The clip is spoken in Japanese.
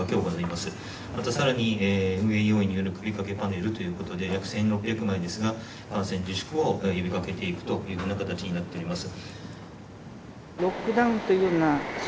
また更に運営要員による首かけパネルということで約１，６００枚ですが観戦自粛を呼びかけていくというふうな形になっております。